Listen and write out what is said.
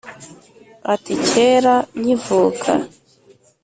ati: kera nkivuka